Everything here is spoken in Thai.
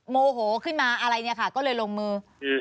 โมโหขึ้นมาอะไรเนี่ยค่ะก็เลยลงมืออืม